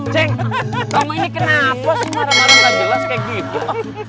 ceng kamu ini kenapa sih marah marah nggak jelas kayak gitu